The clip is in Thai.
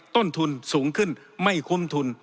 ต้นทุนสูงขึ้นไม่คุ้มทุน